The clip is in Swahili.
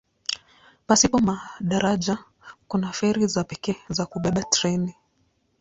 Pasipo madaraja kuna feri za pekee za kubeba treni.